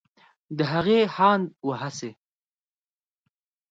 د هغې هاند و هڅې